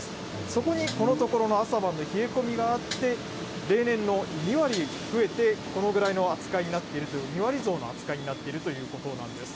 そこにこのところの朝晩の冷え込みがあって、例年の２割増えて、このぐらいの扱いになっているという、２割増の扱いになっているということなんです。